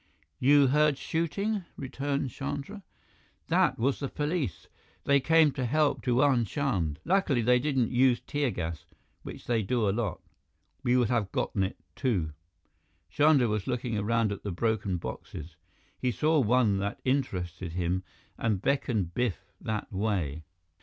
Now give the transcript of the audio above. "You heard shooting?" returned Chandra. "That was the police. They came to help Diwan Chand. Lucky they didn't use tear gas, which they do a lot. We would have gotten it, too." Chandra was looking around at the broken boxes. He saw one that interested him and beckoned Biff that way.